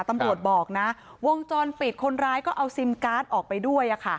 ตำรวจบอกนะวงจรปิดคนร้ายก็เอาซิมการ์ดออกไปด้วย